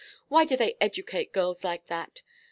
Why do they educate girls like that?